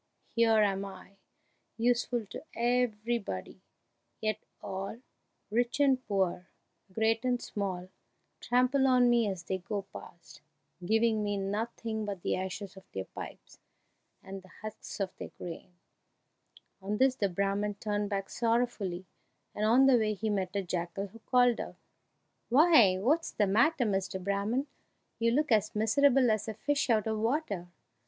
Here am I, useful to everybody, yet all, rich and poor, great and small, trample on me as they go past, giving me nothing but the ashes of their pipes and the husks of their grain!" On this the Brahman turned back sorrowfully, and on the way he met a jackal, who called out, "Why, what's the matter, Mr. Brahman? You look as miserable as a fish out of water!"